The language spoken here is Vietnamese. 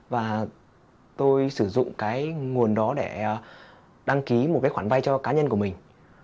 và tôi sử dụng cái nguồn đó để đăng ký một cái khoản vay cho cá nhân của mình